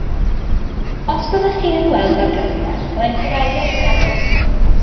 Os byddech chi'n ymweld â'r castell byddai'n tawelu eich meddwl.